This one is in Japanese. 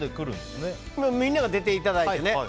みんなに出ていただいてね